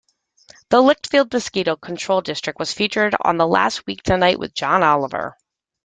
The Litchfield Mosquito Control District was featured on "Last Week Tonight with John Oliver".